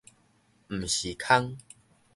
毋是空